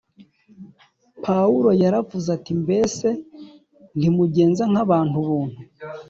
Pawulo yaravuze ati "Mbese ntimugenza nk'abantu-buntu?"